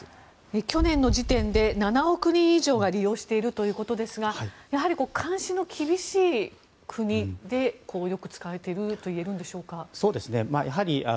去年の時点で７億人以上が利用しているということですがやはり、監視の厳しい国でよく使われているといえるんでしょうか。